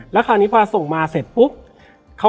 และวันนี้แขกรับเชิญที่จะมาเชิญที่เรา